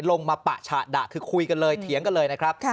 มาปะฉะดะคือคุยกันเลยเถียงกันเลยนะครับ